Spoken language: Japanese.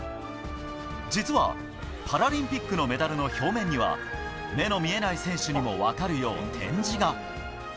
実はパラリンピックのメダルの表面には目の見えない選手にも分かるよう点字が。